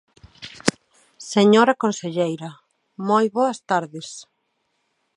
Señora conselleira, moi boas tardes.